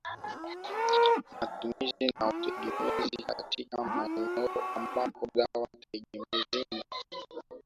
matumizi na utegemezi Katika maeneo ambapo dawa tegemezi ni